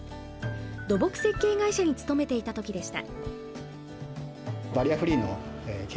土木設計会社に勤めていた時でした。